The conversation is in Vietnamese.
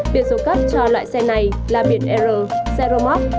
biện số cấp cho loại xe này là biện r zero mop